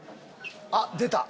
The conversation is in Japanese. あっ出た！